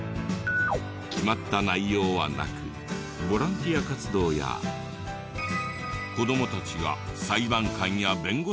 決まった内容はなくボランティア活動や子どもたちが裁判官や弁護士に扮し